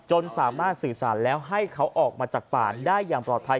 สามารถสื่อสารแล้วให้เขาออกมาจากป่านได้อย่างปลอดภัย